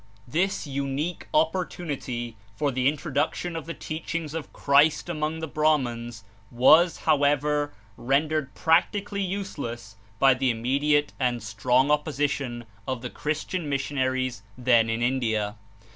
This unique opportunity for the introduction of the teachings of Christ among the Brahmans was how ever rendered practically useless by the immediate and strong opposition of the Christian missionaries then in India.